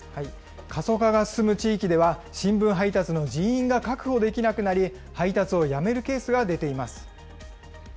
過疎化が進む地域では新聞配達の人員が確保できなくなり、配達をやめるケースが出ています。